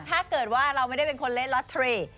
ถ้าเกิดว่าเราไม่ได้เป็นคนเล่นล็อตทรีก